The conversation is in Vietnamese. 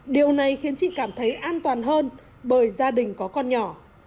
điều này khiến chị cảm thấy an toàn hơn bởi gia đình có con nhỏ